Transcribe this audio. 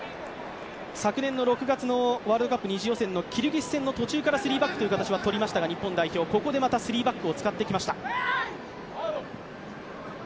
昨年の６月のワールドカップ二次予選のキルギス戦の途中からスリーバックという形は取りましたが日本代表、ここでまたスリーバックを使ってきました。